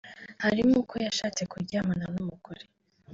harimo uko yashatse kuryamana n’umugore